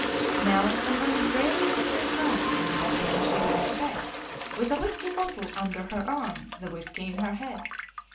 "Now, on one dreary winter's night O'Flynn she went to bed With a whiskey bottle under her arm, the whiskey in her head.